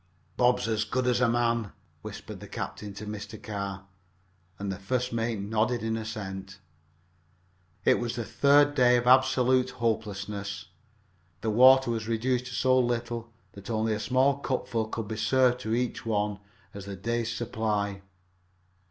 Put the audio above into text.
"Bob's as good as a man," whispered the captain to Mr. Carr, and the first mate nodded an assent. It was the third day of absolute hopelessness. The water was reduced to so little that only a small cupful could be served to each one as the day's supply.